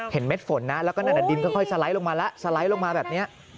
เม็ดฝนนะแล้วก็นั่นดินค่อยสไลด์ลงมาแล้วสไลด์ลงมาแบบนี้